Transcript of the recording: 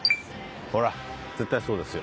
ほら絶対そうですよ。